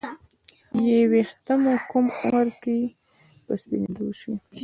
ې ویښته مو کوم عمر کې په سپینیدو شي